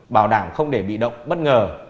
bảo đảm không để bị động bất ngờ